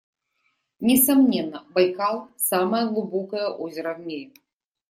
Несомненно, Байкал - самое глубокое озеро в мире.